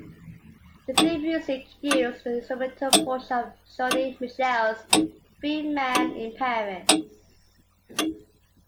The theme music used the instrumental portion of Joni Mitchell's "Free Man in Paris".